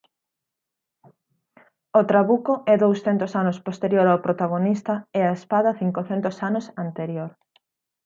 O trabuco é douscentos anos posterior ao protagonista e a espada cincocentos anos anterior.